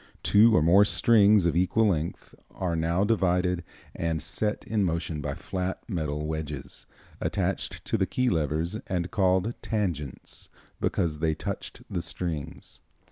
Two or more strings of equal length are now divided and set in motion by flat metal wedges, attached to the key levers, and called tangents, because they touched the strings.